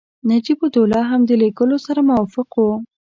نجیب الدوله هم د لېږلو سره موافق وو.